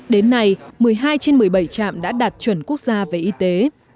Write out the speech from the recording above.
đến nay một mươi hai trên một mươi bảy trạm đã đạt chuẩn quốc gia về y tế